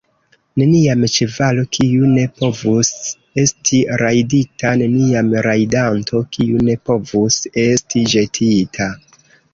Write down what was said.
Neniam ĉevalo, kiu ne povus esti rajdita; neniam rajdanto, kiu ne povus esti ĵetita.